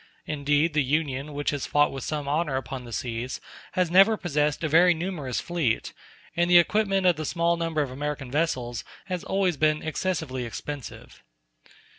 Indeed, the Union, which has fought with some honor upon the seas, has never possessed a very numerous fleet, and the equipment of the small number of American vessels has always been excessively expensive.